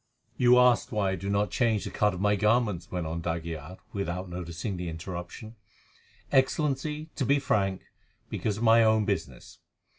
"You asked why I do not change the cut of my garments," went on d'Aguilar, without noticing the interruption. "Excellency, to be frank, because of my own business.